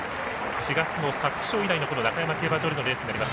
４月の皐月賞以来の中山競馬場でのレースとなります。